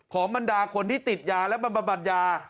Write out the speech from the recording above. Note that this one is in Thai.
ของบรรดาคนที่ติดยาและบรรบัดยา